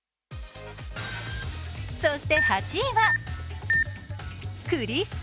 そして８位はクリスト。